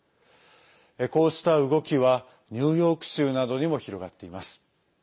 こうした動きはニューヨーク州などにも広がっています。